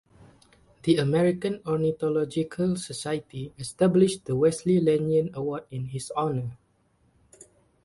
The American Ornithological Society established the Wesley Lanyon award in his honor.